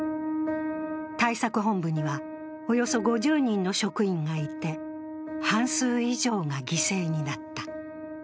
対策本部には、およそ５０人の職員がいて、半数以上が犠牲になった。